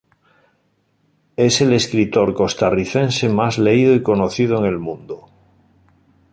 Es el escritor costarricense más leído y conocido en el mundo.